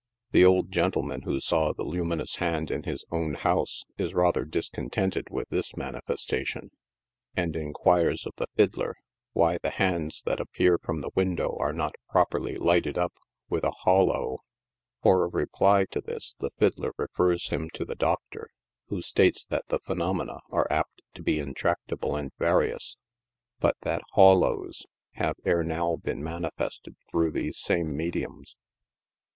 The old gentleman who saw the luminous hand in his own house, is rather discontented with this manifestation, and inquires of the fiddler why the hands that appear from the window are not properly lighted up with a " hawlo." For a reply to this the fiddler refers him to the " Doctor," who states that the phenomena are apt to be intractable and various, but that " hawlos" have, ere now, been manifested through these same mediums.